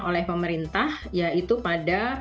oleh pemerintah yaitu pada